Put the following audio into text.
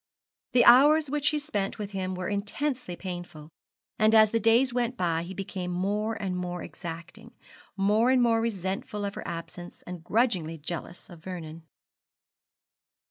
The hours which she spent with him were intensely painful, and as the days went by he became more and more exacting, more and more resentful of her absence, and grudgingly jealous of Vernon.